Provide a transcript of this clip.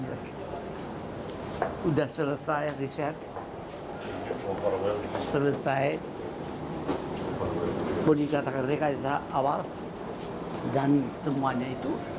itu sudah selesai selesai burradorekiko komensal di awal